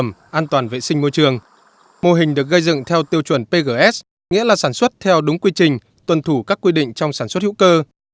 mô hình được gây dựng theo tiêu chuẩn pgs nghĩa là sản xuất theo đúng quy trình tuân thủ các quy định trong sản xuất hữu cơ